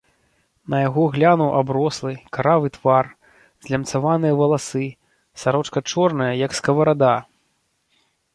На яго глянуў аброслы, каравы твар, злямцаваныя валасы, сарочка чорная, як скаварада.